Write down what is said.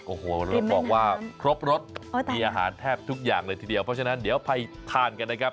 โอ้โหแล้วบอกว่าครบรสมีอาหารแทบทุกอย่างเลยทีเดียวเพราะฉะนั้นเดี๋ยวไปทานกันนะครับ